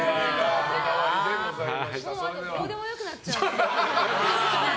もうあとどうでも良くなっちゃう。